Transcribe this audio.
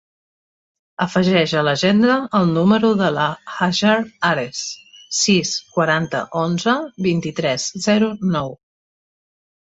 Afegeix a l'agenda el número de la Hajar Ares: sis, quaranta, onze, vint-i-tres, zero, nou.